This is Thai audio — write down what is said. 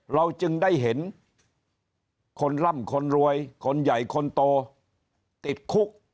เราจึงได้เห็นคนร่ำคนรวยคนใหญ่คนโตติดคุก